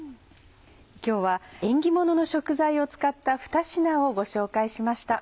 今日は縁起物の食材を使った２品をご紹介しました。